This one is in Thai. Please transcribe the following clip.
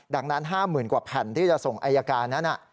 ดังนั้น๕๐๐๐กว่าแผ่นที่จะส่งอายการนั้น